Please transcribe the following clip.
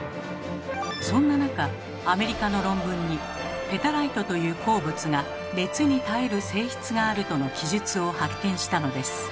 そんな中アメリカの論文に「ペタライトという鉱物が熱に耐える性質がある」との記述を発見したのです。